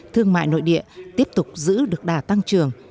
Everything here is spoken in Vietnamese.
thương mại nội địa tiếp tục giữ được đà tăng trưởng